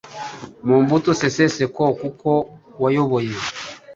Mobutu Sese Seko Kuku wayoboye